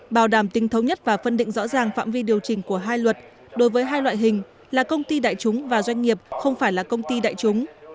bảo đảm tinh thống nhất và phân định rõ ràng phạm vi điều chỉnh của hai luật đối với hai loại hình là công ty đại chúng và doanh nghiệp không phải là công ty đại chúng